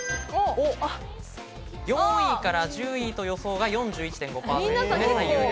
４位から１０位との予想が４１．５％と最有力。